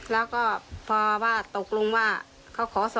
แล้วก็พอว่าตกลงว่าเขาขอ๒๐๐๐๐บาท